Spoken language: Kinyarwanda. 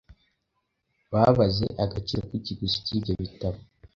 Babaze agaciro k’ikiguzi cy’ibyo bitabo,